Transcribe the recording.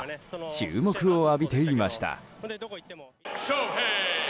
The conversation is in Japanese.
注目を浴びていました。